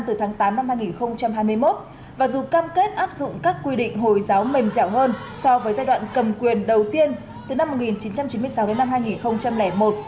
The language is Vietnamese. taliban trở lại nắm quyền ở afghanistan từ tháng tám năm hai nghìn hai mươi một và dù cam kết áp dụng các quy định hồi giáo mềm dẻo hơn so với giai đoạn cầm quyền đầu tiên từ năm một nghìn chín trăm chín mươi sáu đến năm hai nghìn một